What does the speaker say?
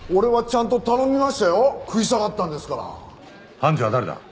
判事は誰だ？